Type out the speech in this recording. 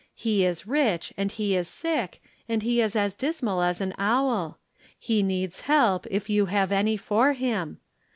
He is rich and he is sick, and he is as dismal as an owl. He needs help, if you have any for him.